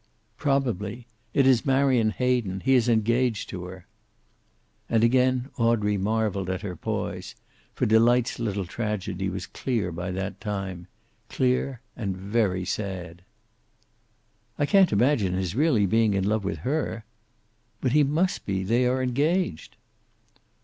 "Probably. It is Marion Hayden. He is engaged to her." And again Audrey marveled at her poise, for Delight's little tragedy was clear by that time. Clear, and very sad. "I can't imagine his really being in love with her." "But he must be. They are engaged."